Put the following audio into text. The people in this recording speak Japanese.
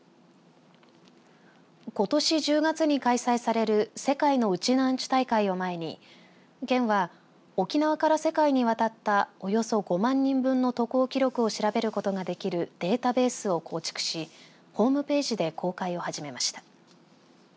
ことし１０月に開催される世界のウチナーンチュ大会を前に県は、沖縄から世界に渡ったおよそ５万人分の渡航記録を調べることができるデータベースを構築しホームページで公開を始めました。